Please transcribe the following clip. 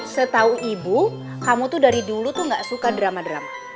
setahu ibu kamu tuh dari dulu tuh gak suka drama drama